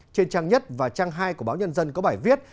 trên trang nhất và trang hai của báo nhân dân có bài viết